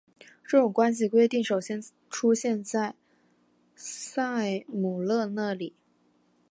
这种关系规定首先出现在塞姆勒那里。